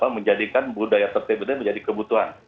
menjadikan budaya tertib ini menjadi kebutuhan